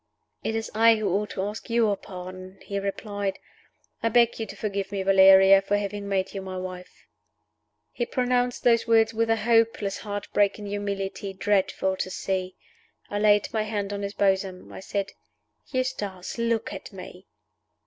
"It is I who ought to ask your pardon," he replied. "I beg you to forgive me, Valeria, for having made you my wife." He pronounced those words with a hopeless, heart broken humility dreadful to see. I laid my hand on his bosom. I said, "Eustace, look at me."